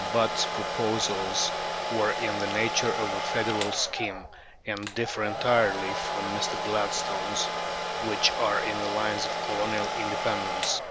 Butt's proposals were in the nature of a federal scheme, and differ entirely from Mr. Gladstone's, which are on the lines of Colonial independence.